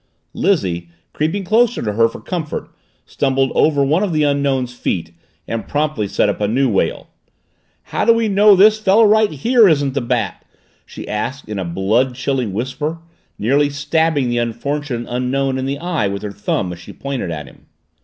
Lizzie, creeping closer to her for comfort, stumbled over one of the Unknown's feet and promptly set up a new wail. "How do we know this fellow right here isn't the Bat?" she asked in a blood chilling whisper, nearly stabbing the unfortunate Unknown in the eye with her thumb as she pointed at him.